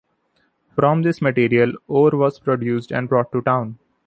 From this material, ore was produced and brought to town.